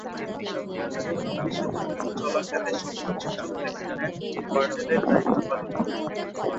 প্রথম বিশ্বযুদ্ধ চলাকালে সম্মানসূচক লেফটেন্যান্ট কর্নেলের দায়িত্ব পালন করেন।